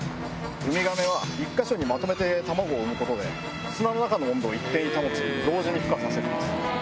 ウミガメは１か所にまとめて卵を産むことで、砂の中の温度を一定に保ち、同時にふ化させます。